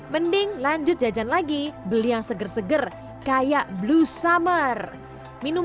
mending lanjut jajan lagi beli yang seger seger kayak blue summer minum